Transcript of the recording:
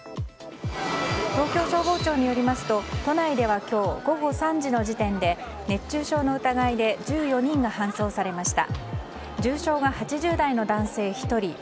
東京消防庁によりますと都内では今日午後３時の時点で熱中症の疑いで１４人が搬送されました。